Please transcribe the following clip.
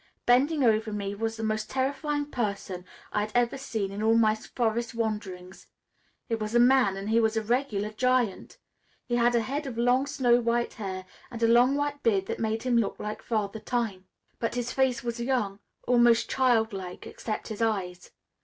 Bending over me was the most terrifying person I had ever seen in all my forest wanderings. It was a man and he was a regular giant. He had a head of long snow white hair and a long white beard that made him look like Father Time. But his face was young, almost child like, except his eyes.